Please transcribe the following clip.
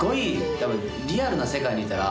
多分リアルな世界にいたら。